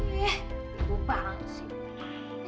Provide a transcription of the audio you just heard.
ih lupa banget sih